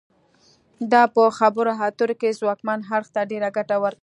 دا په خبرو اترو کې ځواکمن اړخ ته ډیره ګټه ورکوي